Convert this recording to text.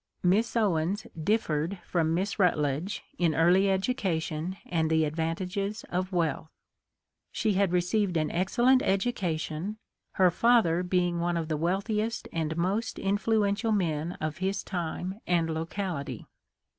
Miss Owens differed from Miss Rutledge in early educa tion and the advantages of wealth. She had re ceived an excellent education, her father being one of the wealthiest and most influential men of his time and locality.